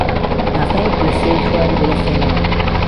نازناوی پله سێ و چواری بهدهستهێناوه